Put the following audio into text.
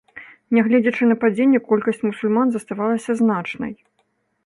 Нягледзячы на падзенне, колькасць мусульман заставалася значнай.